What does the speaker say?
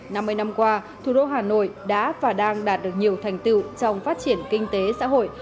năm mươi năm qua thủ đô hà nội đã và đang đạt được nhiều thành tựu trong phát triển kinh tế xã hội